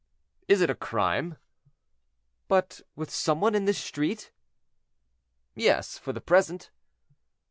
"Is it a crime?" "But with some one in this street?" "Yes, for the present."